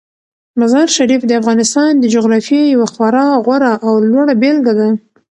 مزارشریف د افغانستان د جغرافیې یوه خورا غوره او لوړه بېلګه ده.